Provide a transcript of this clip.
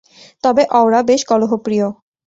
তবে অওরা বেশ কলহপ্রিয়।